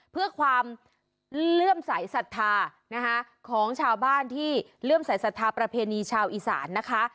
เพื่อความเลื่อมใสสัทธานะคะของชาวบ้านที่เลื่อมสายศรัทธาประเพณีชาวอีสานนะคะ